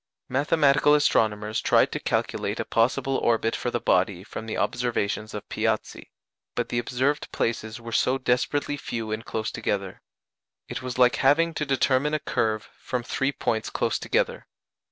Mathematical astronomers tried to calculate a possible orbit for the body from the observations of Piazzi, but the observed places were so desperately few and close together. It was like having to determine a curve from three points close together.